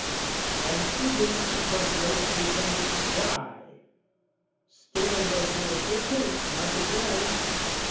And whither she was late returned to die, Still in their jurisdiction, mark again!